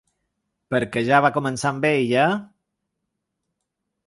Perquè ja va començar amb ell, eh?